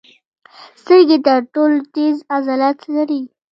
سترګې تر ټولو تېز عضلات لري.